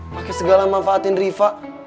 pakai segala manfaatin riva